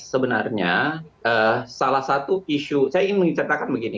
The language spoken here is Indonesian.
sebenarnya salah satu isu saya ingin menceritakan begini